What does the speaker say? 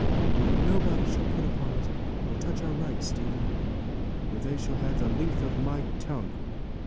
And nobody shall put upon us, or touch our rights, Stephen, or they shall have the length of my tongue.'